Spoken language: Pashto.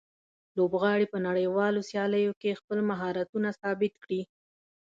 لوبغاړي په نړیوالو سیالیو کې خپل مهارتونه ثابت کړي.